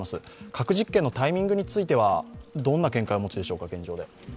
核実験のタイミングについてはどんな印象をお持ちでしょうか。